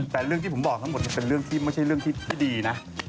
แต่เรื่องที่ผมบอกทั้งหมดเป็นเรื่องที่ไม่ใช่เรื่องที่ดีนะ